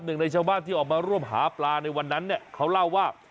หนึ่งในชาวบ้านที่ออกมาร่วมหาปลาในวันนั้นเนี่ยเขาเล่าว่า